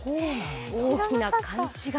大きな勘違い。